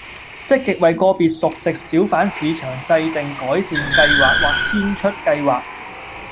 積極為個別熟食小販市場制訂改善計劃或遷出計劃